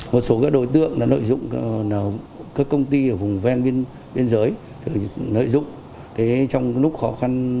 một số các đối tượng nội dung các công ty ở vùng ven biên giới nội dung trong lúc khó khăn